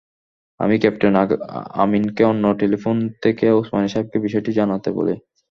আমি ক্যাপ্টেন আমীনকে অন্য টেলিফোন থেকে ওসমানী সাহেবকে বিষয়টি জানাতে বলি।